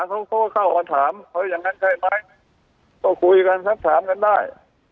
เขาก็เข้ามาถามเขาอย่างนั้นใช่ไหมก็คุยกันสักถามกันได้